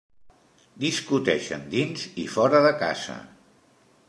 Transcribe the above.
Discuteixen dins i fora de casa.